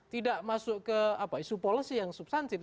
tidak masuk ke apa isu policy yang subsansib